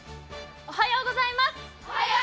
おはようございます。